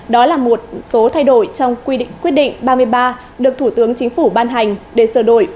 đó là một số thay đổi trong quy định quyết định ba mươi ba được thủ tướng chính phủ ban hành để sửa đổi